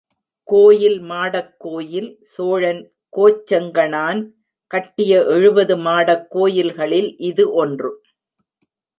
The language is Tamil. கோயில் மாடக் கோயில், சோழன் கோச்செங்கணான் கட்டிய எழுபது மாடக் கோயில்களில் இது ஒன்று.